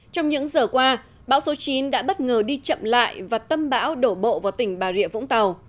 trong những giờ qua bão số chín đã bất ngờ đi chậm lại và tâm bão đổ bộ vào tỉnh bà rịa vũng tàu